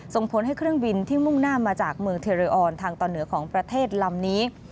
ส่งผลให้เครื่องบินที่มุ่งหน้ามาจากเมืองเทเรออนทางตอนเหนือของประเทศลำนี้